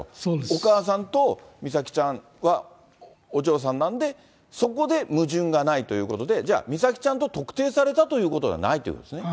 お母さんと美咲ちゃんはお嬢さんなんで、そこで矛盾がないということで、じゃあ、美咲ちゃんと特定されたということではないんですね？